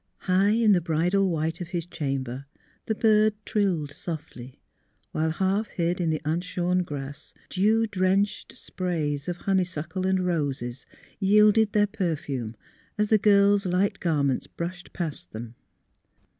High in the bridal white of his chamber the bird trilled softly, while half hid in the unshorn grass dew drenched sprays of honeysuckle and roses yielded their perfume as the girl's light garments brushed past them.